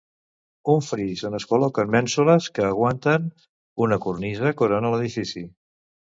Un fris on es col·loquen mènsules que aguanten una cornisa corona l'edifici.